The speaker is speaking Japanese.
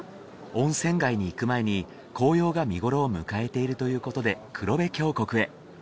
温泉街に行く前に紅葉が見頃を迎えているということで黒部峡谷へ。